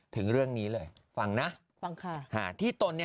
ถึงเรื่องนี้เลยฟังนะฟังค่ะที่ตนเนี่ย